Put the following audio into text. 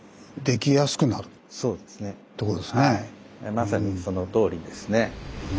まさにそのとおりですね。